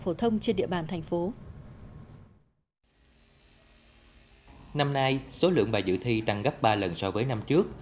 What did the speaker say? phổ thông trên địa bàn thành phố năm nay số lượng bài dự thi tăng gấp ba lần so với năm trước